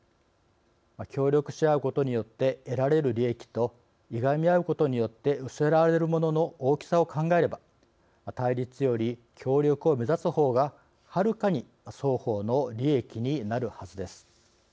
協力し合うことによって得られる利益といがみ合うことによって失われるものの大きさを考えれば対立より、協力を目指す方がはるかに双方の利益になるはずです。